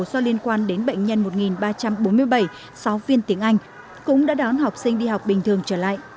do liên quan đến bệnh nhân một ba trăm bốn mươi bảy giáo viên tiếng anh cũng đã đón học sinh đi học bình thường trở lại